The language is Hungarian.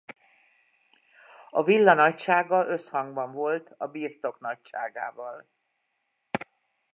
A villa nagysága összhangban volt a birtok nagyságával.